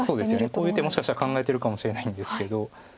こういう手もしかしたら考えてるかもしれないんですけど。